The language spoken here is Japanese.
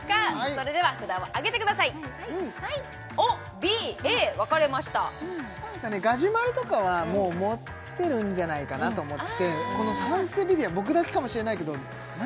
それでは札を上げてくださいおっＢＡ分かれましたガジュマルとかはもう持ってるんじゃないかなと思ってこのサンセベリア僕だけかもしれないけど何？